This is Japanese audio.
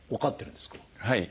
はい。